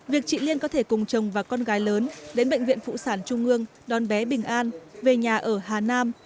việc chị liên có thể cùng chồng và con gái lớn đến bệnh viện phụ sản trung ương đón bé bình an về nhà ở hà nam